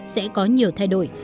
sẽ có nhiều thay đổi